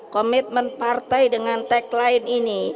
komitmen partai dengan tagline ini